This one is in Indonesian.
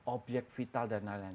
obyek vital dan lain lain